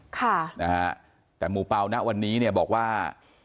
ค่ะนะฮะแต่หมู่เปล่านะวันนี้เนี่ยบอกว่า